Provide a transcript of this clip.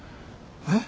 えっ？